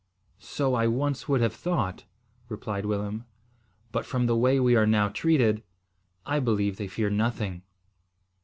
"So I once would have thought," replied Willem, "but from the way we are now treated, I believe they fear nothing."